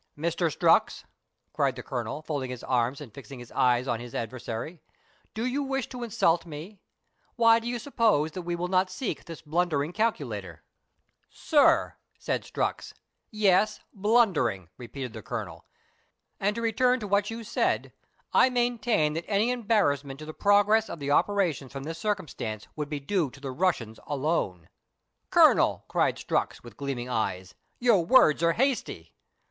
"Mr. Strux," cried the Colonel, folding his arms, and fixing his eyes on his adversary, " do you wish to insult me ? Why should you suppose that we will not seek this blundering calculator ?" H a loo meridiana; the adventures of "Sir!" said Strux. *' Yes, blundering," repeated the Colonel. " And to return to what you said, I maintain that any embarrassment to the progress of the operations from this circumstance would be due to the Russians alone." " Colonel," cried Strux, with gleaming eyes, " your words are hasty."